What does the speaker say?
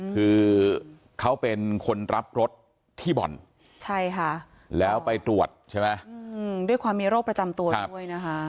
คือเขาเป็นคนรับรถที่บ่อนใช่ค่ะแล้วไปตรวจใช่ไหมด้วยความมีโรคประจำตัวด้วยนะคะ